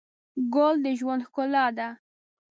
ګل د ژوند ښکلا ده.